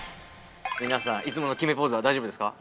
皆さんいつもの決めポーズは大丈夫ですか？